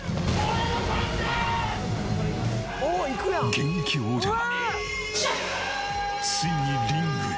現役王者がついにリングへ！